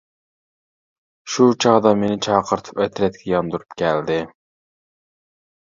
شۇ چاغدا مېنى چاقىرتىپ ئەترەتكە ياندۇرۇپ كەلدى.